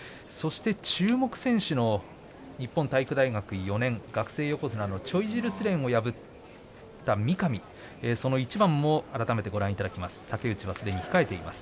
注目選手の日本体育大学４年、学生横綱のチョイジルスレンを破った三上、その一番を改めてご覧いただきたいと思います。